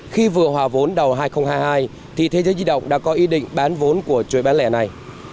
khi vừa hòa vốn đầu hai nghìn hai mươi hai thì thế giới di động đã có ý định bán vốn của chuỗi bán lẻ này